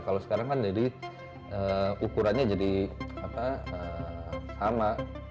kalau sekarang kan jadi ukurannya jadi sama